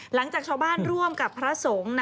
หลังจากชาวบ้านร่วมกับพระสงฆ์